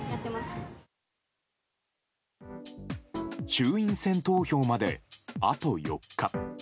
衆院選投票まで、あと４日。